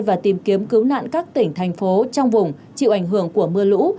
và tìm kiếm cứu nạn các tỉnh thành phố trong vùng chịu ảnh hưởng của mưa lũ